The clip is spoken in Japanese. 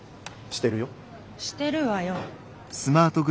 してるわよ。